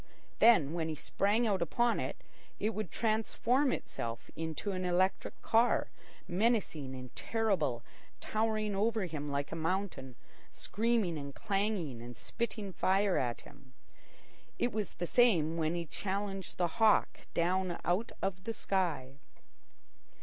Then, when he sprang out upon it, it would transform itself into an electric car, menacing and terrible, towering over him like a mountain, screaming and clanging and spitting fire at him. It was the same when he challenged the hawk down out of the sky.